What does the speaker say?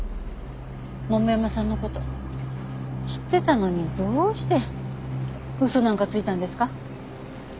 桃山さんの事知ってたのにどうして嘘なんかついたんですか？